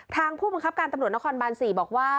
ผู้บังคับการตำรวจนครบาน๔บอกว่า